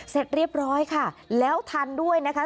เสร็จเรียบร้อยค่ะแล้วทันด้วยนะคะ